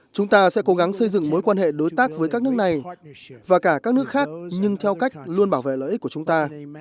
chúng ta sẽ cố gắng xây dựng mối quan hệ đối tác với các nước này và cả các nước khác nhưng theo cách luôn bảo vệ lợi ích của chúng ta